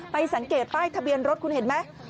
สังเกตป้ายทะเบียนรถคุณเห็นไหม